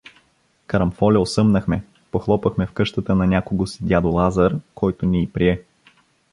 Карамфоля осъмнахме, похлопахме в къщата на някого си дядо Лазар, който ни и прие.